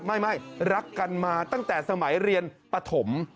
ไม่รักกันมาตั้งแต่สมัยเรียนปฐม